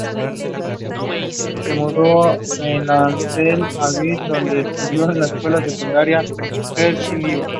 Cuatro mil chinos y japoneses fueron confinados en los barrios orientales.